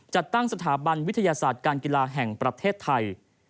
จัดตั้งสถาบันวิทยาศาสตร์การกีฬาแห่งประเทศไทย